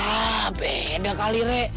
ah beda kali rek